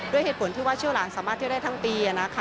ด้วยเหตุผลที่ว่าเชี่ยวหลานสามารถเที่ยวได้ทั้งปี